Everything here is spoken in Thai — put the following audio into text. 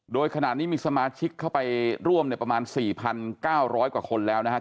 โดยขณะนี้มีสมาชิกเข้าไปร่วมประมาณ๔๙๐๐กว่าคนแล้วนะครับ